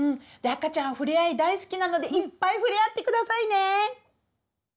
赤ちゃんふれあい大好きなのでいっぱいふれあってくださいね！